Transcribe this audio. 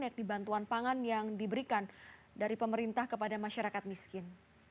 yakni bantuan pangan yang diberikan dari pemerintah kepada masyarakat miskin